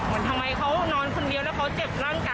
ทำไมเขานอนคนเดียวแล้วเขาเจ็บร่างกาย